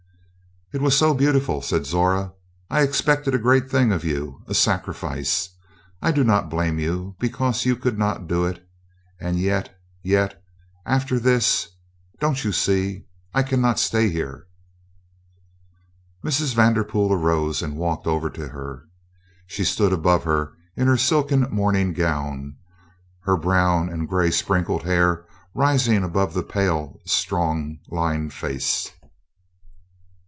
"It was so beautiful," said Zora. "I expected a great thing of you a sacrifice. I do not blame you because you could not do it; and yet yet, after this, don't you see? I cannot stay here." Mrs. Vanderpool arose and walked over to her. She stood above her, in her silken morning gown, her brown and gray sprinkled hair rising above the pale, strong lined face.